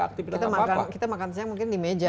aktivitas apa apa kita makan siang mungkin di meja